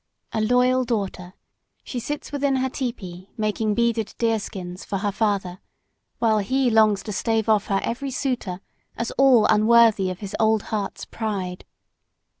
A loyal daughter, she sits within her tepee making beaded deerskins for her father, while he longs to stave off her every suitor as all unworthy of his old heart's pride.